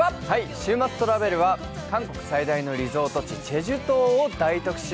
「週末トラベル」は韓国最大のリゾート地、済州島を大特集。